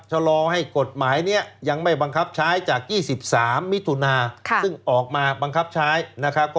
ชะลอให้กฎหมายนี้ยังไม่บังคับใช้จาก๒๓มิถุนาซึ่งออกมาบังคับใช้นะครับ